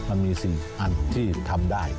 มันมี๔อันที่ทำได้